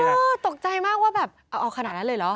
ตกใจมากว่าแบบเอาขนาดนั้นเลยเหรอ